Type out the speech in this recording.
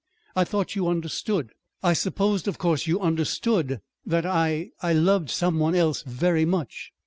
I thought you understood I supposed, of course, you understood that I I loved some one else very much."